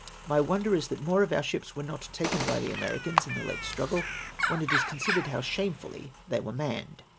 My ivortder is that unore of our sJdps were not tal en by tJte Americans in the late struggle, when it is considered hoiu shamefully they were manned"